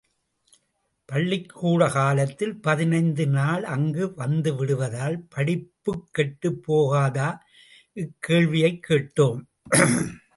பள்ளிக்கூட காலத்தில் பதினைத்து நாள் அங்கு வந்து விடுவதால் படிப்புக் கெட்டுப் போகாதா? இக்கேள்வியைக் கேட்டோம்.